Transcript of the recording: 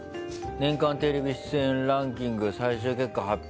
年間ＴＶ出演ランキング最終結果を発表！